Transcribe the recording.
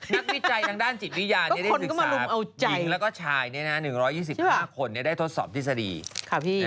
นักวิจัยทางด้านจิตวิญญาณนี้ได้ศึกษาหญิงแล้วก็ชายนี้นะ๑๒๕คนได้ทดสอบที่สดี